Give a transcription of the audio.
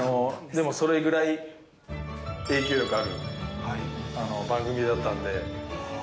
でもそれぐらい、影響力がある番組だったんで。